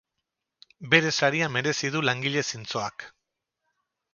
Bere saria merezi du langile zintzoak.